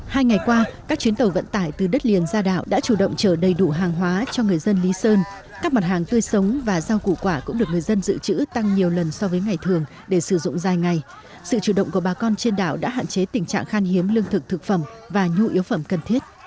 hai ngày qua các chuyến tàu vận tải từ đất liền ra đảo đã chủ động chở đầy đủ hàng hóa cho người dân lý sơn các mặt hàng tươi sống và rau củ quả cũng được người dân dự trữ tăng nhiều lần so với ngày thường để sử dụng dài ngày sự chủ động của bà con trên đảo đã hạn chế tình trạng khan hiếm lương thực thực phẩm và nhu yếu phẩm cần thiết